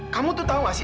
kamu tuh tau nggak sih